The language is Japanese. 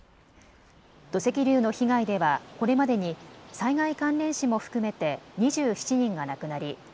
土石流の被害では、これまでに災害関連死も含めて２７人が亡くなり